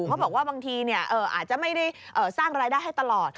เขาบอกว่าบางทีอาจจะไม่ได้สร้างรายได้ให้ตลอด